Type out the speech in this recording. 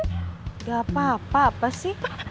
tidak apa apa apa sih